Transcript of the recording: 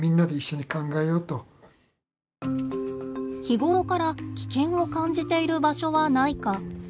日頃から危険を感じている場所はないか。